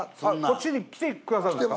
こっちに来てくださるんですか。